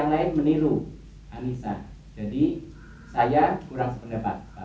nanti baju baju yang sudah om belikan